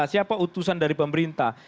siapa utusan dari pemerintah